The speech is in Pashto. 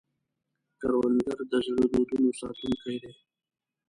کروندګر د زړو دودونو ساتونکی دی